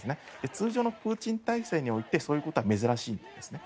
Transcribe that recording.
通常のプーチン体制においてそういうことは珍しいんですね。